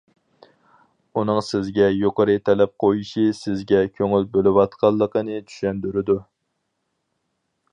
ئۇنىڭ سىزگە يۇقىرى تەلەپ قويۇشى سىزگە كۆڭۈل بۆلۈۋاتقانلىقىنى چۈشەندۈرىدۇ.